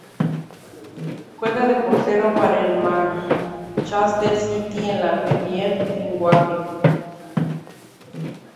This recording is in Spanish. Juega de portero para el Manchester City en la Premier League.